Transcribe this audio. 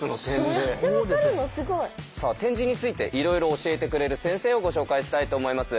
すごい。さあ点字についていろいろ教えてくれる先生をご紹介したいと思います。